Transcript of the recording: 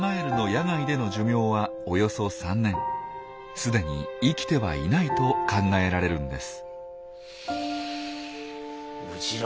すでに生きてはいないと考えられるんです。